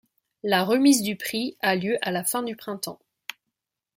La remise du prix a lieu à la fin du printemps.